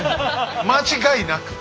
間違いなく。